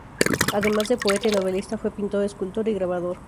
Además de poeta y novelista, fue pintor escultor y grabador.